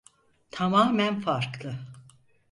Tamamen farklı.